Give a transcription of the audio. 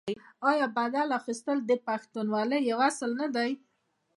آیا بدل اخیستل د پښتونولۍ یو اصل نه دی؟